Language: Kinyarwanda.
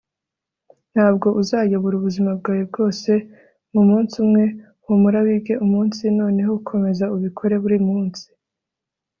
ntabwo uzayobora ubuzima bwawe bwose mumunsi umwe. humura. wige umunsi. noneho komeza ubikore buri munsi